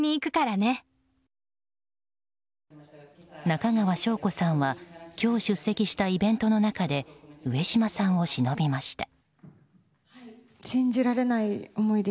中川翔子さんは今日、出席したイベントの中で上島さんをしのびました。